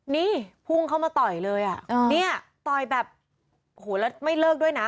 นี่พุ่งเข้ามาต่อยเลยอ่ะเนี่ยต่อยแบบโอ้โหแล้วไม่เลิกด้วยนะ